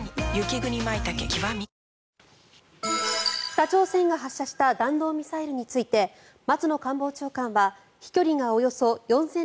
北朝鮮が発射した弾道ミサイルについて松野官房長官は飛距離がおよそ４６００ｋｍ